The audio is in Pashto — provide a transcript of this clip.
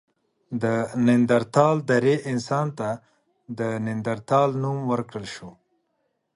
د نیاندرتال درې انسان ته د نایندرتال نوم ورکړل شو.